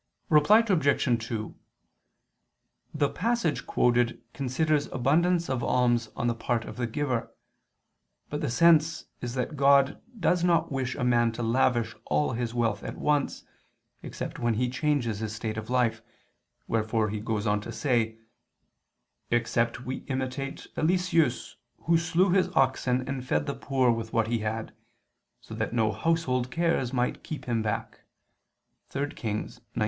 Reply Obj. 2: The passage quoted considers abundance of alms on the part of the giver; but the sense is that God does not wish a man to lavish all his wealth at once, except when he changes his state of life, wherefore he goes on to say: "Except we imitate Eliseus who slew his oxen and fed the poor with what he had, so that no household cares might keep him back" (3 Kings 19:21).